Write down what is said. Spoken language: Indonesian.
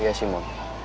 iya sih mon